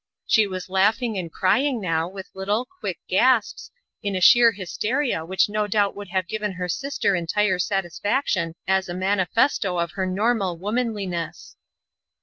She was laughing and crying now with little, quick gasps, in a sheer hysteria which no doubt would have given her sister entire satisfaction as a manifesto of her normal womanliness.